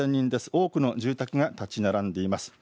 多くの住宅が建ち並んでいます。